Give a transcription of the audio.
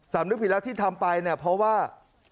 นึกผิดแล้วที่ทำไปเนี่ยเพราะว่า